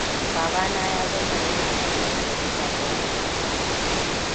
Babana ya zauna yana karanta jarida da yamma.